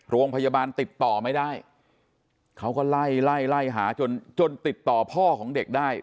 โรงพยาบาลติดต่อไม่ได้เขาก็ไล่ไล่หาจนจนติดต่อพ่อของเด็กได้